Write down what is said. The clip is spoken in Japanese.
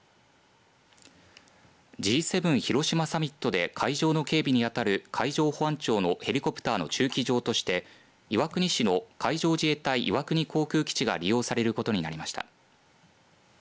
Ｇ７広島サミットで海上の警備にあたる海上保安庁ヘリコプターの駐機場として岩国市の海上自衛隊岩国航空基地が利用されることになりました。